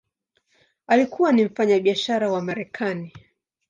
Alikuwa ni mfanyabiashara wa Marekani.